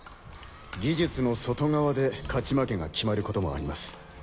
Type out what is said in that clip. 技術の外側で勝ち負けが決まることもあります。